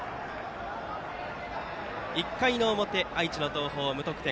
１回の表、愛知の東邦、無得点。